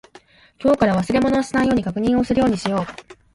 今日から忘れ物をしないように確認するようにしよう。